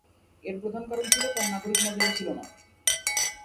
এর প্রধান কারণ ছিল, তার নাগরিক মর্যাদা ছিল না।